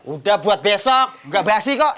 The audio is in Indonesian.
udah buat besok gak berhasil kok